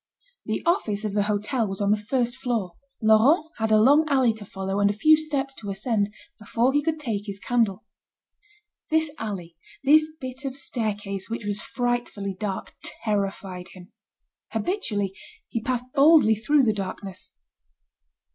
The office of the hotel was on the first floor. Laurent had a long alley to follow and a few steps to ascend, before he could take his candle. This alley, this bit of staircase which was frightfully dark, terrified him. Habitually, he passed boldly through the darkness.